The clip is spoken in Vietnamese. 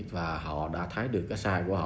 và họ đã thấy được